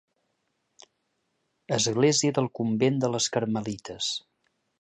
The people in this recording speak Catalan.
Església del Convent de les Carmelites.